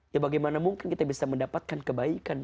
ya bagaimana mungkin kita bisa mendapatkan kebaikan